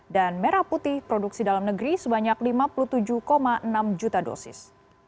merah putih produksi dalam negeri sebanyak lima puluh tujuh enam juta dosis